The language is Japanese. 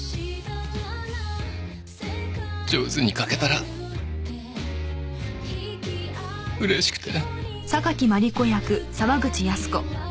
上手に書けたらうれしくて。